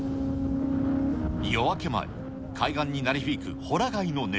夜明け前、海岸に鳴り響くほら貝の音。